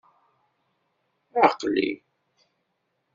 Aql-i.